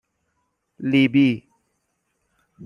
لیبی